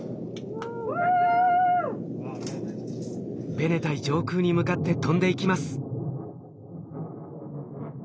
ベネタイ上空に向かって飛んでいきます。